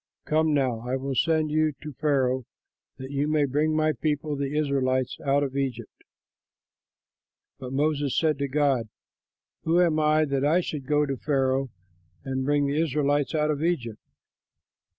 Come now, I will send you to Pharaoh that you may bring my people, the Israelites, out of Egypt." But Moses said to God, "Who am I, that I should go to Pharaoh and should bring the Israelites out of Egypt?"